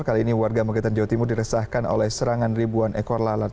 kali ini warga magetan jawa timur diresahkan oleh serangan ribuan ekor lalat